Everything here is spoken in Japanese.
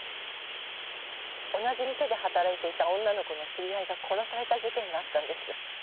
同じ店で働いていた女の子の知り合いが殺された事件があったんです。